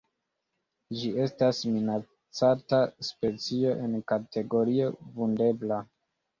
Ĝi estas minacata specio en kategorio Vundebla.